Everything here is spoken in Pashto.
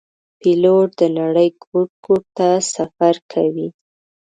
پیلوټ د نړۍ ګوټ ګوټ ته سفر کوي.